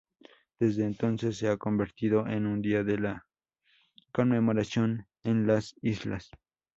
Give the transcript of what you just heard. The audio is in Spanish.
Desde entonces se ha convertido en un día de la conmemoración en las islas.